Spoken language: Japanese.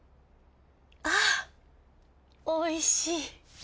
あおいしい。